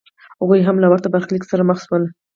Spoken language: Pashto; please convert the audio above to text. هغوی هم له ورته برخلیک سره مخ شول.